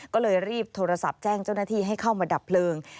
ก็เลยรีบโทรศัพท์แจ้งเจ้าหน้าที่ให้เข้ามาดับเพลิง